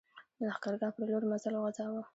د لښکرګاه پر لور مزل وغځاوه.